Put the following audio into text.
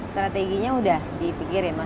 strateginya udah dipikirin